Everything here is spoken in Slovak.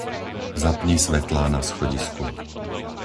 Zapni svetlá na schodisku.